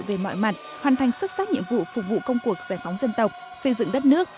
về mọi mặt hoàn thành xuất sắc nhiệm vụ phục vụ công cuộc giải phóng dân tộc xây dựng đất nước